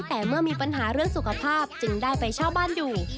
แต่เมื่อมีปัญหาเรื่องสุขภาพจึงได้ไปเช่าบ้านอยู่